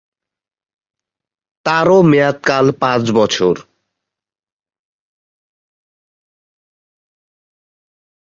তারও মেয়াদকাল পাঁচ-বছর।